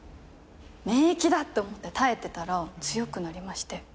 免疫だって思って耐えてたら強くなりまして。